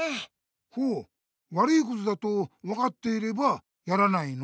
ほう悪いことだとわかっていればやらないの？